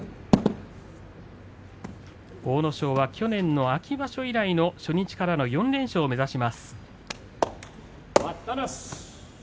阿武咲は去年の秋場所以来の初日からの４連勝を目指します。